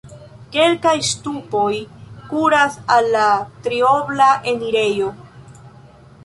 Kelkaj ŝtupoj kuras al la triobla enirejo.